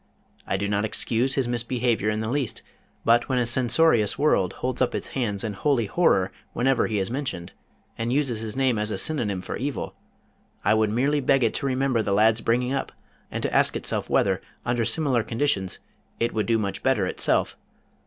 I do not excuse his misbehavior in the least, but when a censorious world holds up its hands in holy horror whenever he is mentioned, and uses his name as a synonym for evil, I would merely beg it to remember the lad's bringing up, and to ask itself whether under similar conditions it would do much better itself.